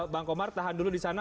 bang komar tahan dulu di sana